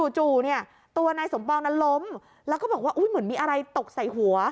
จู่เนี่ยตัวนายสมปองนั้นล้มแล้วก็บอกว่าเหมือนมีอะไรตกใส่หัว